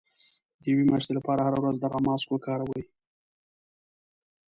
د يوې مياشتې لپاره هره ورځ دغه ماسک وکاروئ.